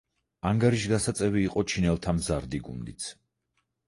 ანგარიშგასაწევი იყო ჩინელთა მზარდი გუნდიც.